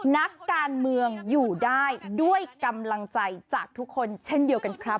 นักการเมืองอยู่ได้ด้วยกำลังใจจากทุกคนเช่นเดียวกันครับ